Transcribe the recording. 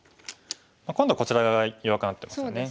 今度こちら側が弱くなってますね。